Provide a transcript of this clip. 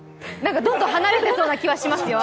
どんどん離れてそうな気はしますよ。